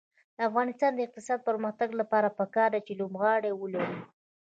د افغانستان د اقتصادي پرمختګ لپاره پکار ده چې لوبغالي ولرو.